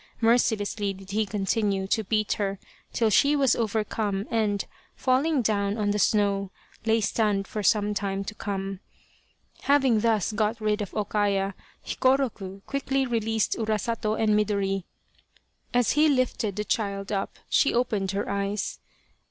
Mercilessly did he continue to beat her till she was overcome and, falling down on the snow, lay stunned for some time to come. Having thus got rid of O Kaya, Hikoroku quickly released Urasato and Midori. As he lifted the child up she opened her eyes.